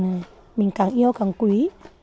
dân tộc mình mình càng yêu càng quý